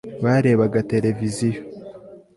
barebaga televiziyo